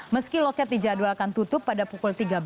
meski loket dijadwalkan tutup pada pukul tiga belas